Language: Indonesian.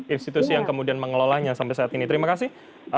institusi yang kemudian mengelolanya sampai saat ini terima kasih